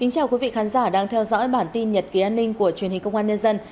chào mừng quý vị đến với bản tin nhật ký an ninh của truyền hình công an nhân dân